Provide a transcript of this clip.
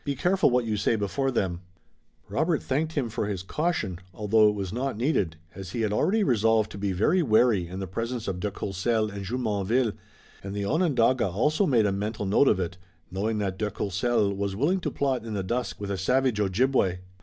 Be careful what you say before them." Robert thanked him for his caution, although it was not needed, as he had already resolved to be very wary in the presence of de Courcelles and Jumonville, and the Onondaga also made a mental note of it, knowing that de Courcelles was willing to plot in the dusk with a savage Ojibway.